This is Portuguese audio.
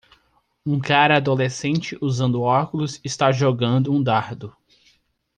Um cara adolescente usando óculos está jogando um dardo.